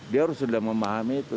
dia harus sudah memahami itu